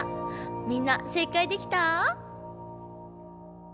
みんな正解できた？